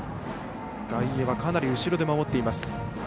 外野はかなり後ろで守っています。